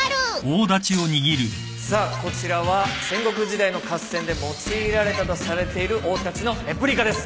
さあこちらは戦国時代の合戦で用いられたとされている大太刀のレプリカです。